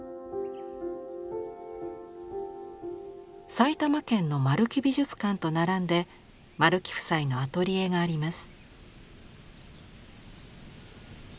埼玉県の丸木美術館と並んで丸木夫妻のアトリエがあります。